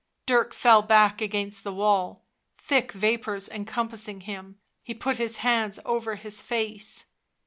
Dirk fell back against the wall, thick vapours encompassing him ; he put his hands over his face.